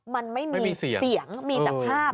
มันไม่มีเสียงมีแต่ภาพ